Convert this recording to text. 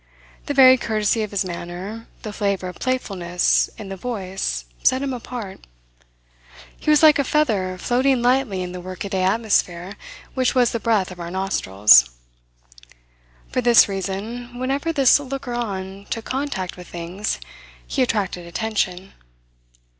The very courtesy of his manner, the flavour of playfulness in the voice set him apart. He was like a feather floating lightly in the workaday atmosphere which was the breath of our nostrils. For this reason whenever this looker on took contact with things he attracted attention.